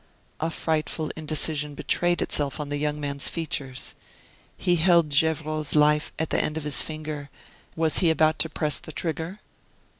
A frightful indecision betrayed itself on the young man's features. He held Gevrol's life at the end of his finger, was he about to press the trigger?